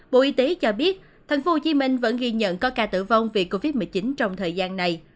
bộ y tế cho biết tp hcm vẫn ghi nhận có ca tử vong vì covid một mươi chín trong thời gian này